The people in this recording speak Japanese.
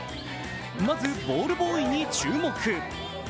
まず、ボールボーイに注目。